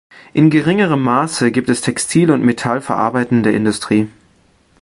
In geringerem Maße gibt es Textil- und metallverarbeitende Industrie.